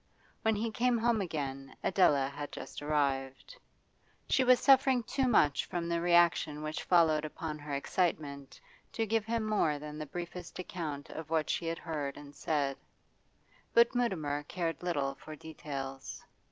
When he came home again Adela had just arrived. She was suffering too much from the reaction which followed upon her excitement to give him more than the briefest account of what she had heard and said; but Mutimer cared little for details.